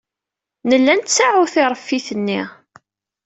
Nella nettaɛu tiṛeffit-nni.